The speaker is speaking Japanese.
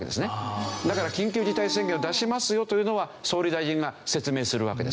だから緊急事態宣言を出しますよというのは総理大臣が説明するわけです。